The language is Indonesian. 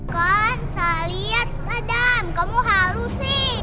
kan saya liat adam kamu halu sih